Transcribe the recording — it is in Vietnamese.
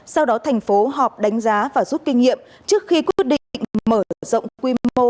sau đó tp hcm họp đánh giá và rút kinh nghiệm trước khi quyết định mở rộng quy mô